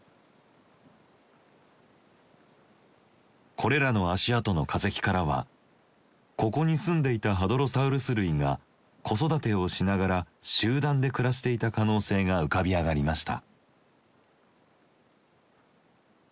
これらの足跡の化石からはここにすんでいたハドロサウルス類が子育てをしながら集団で暮らしていた可能性が浮かび上がりました。